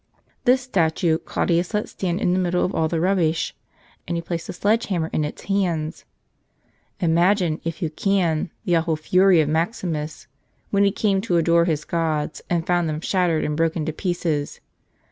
This statue Claudius let stand in the middle of all the rub¬ bish. And he placed the sledge hammer in its hands. 138 Who Did It? Imagine, if you can, the awful fury of Maximus when he came to adore his gods and found them shattered and broken to pieces.